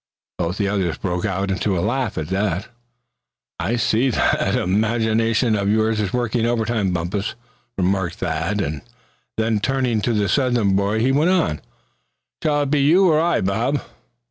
Both the others broke out into a laugh at that. "I see that imagination of yours is working overtime, Bumpus," remarked Thad; and then turning to the Southern boy he went on: "Shall it be you or I, Bob?"